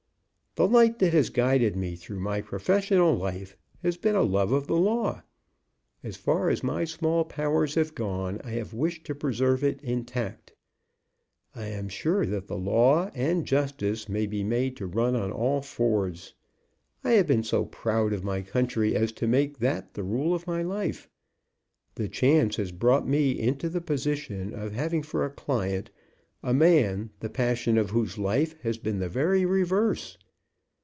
"The light that has guided me through my professional life has been a love of the law. As far as my small powers have gone, I have wished to preserve it intact. I am sure that the Law and Justice may be made to run on all fours. I have been so proud of my country as to make that the rule of my life. The chance has brought me into the position of having for a client a man the passion of whose life has been the very reverse.